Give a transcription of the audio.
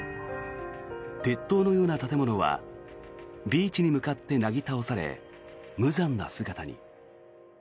鉄塔のような建物はビーチに向かってなぎ倒され無残な姿に。